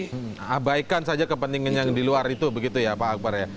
abaikan saja kepentingan yang di luar itu begitu ya pak akbar ya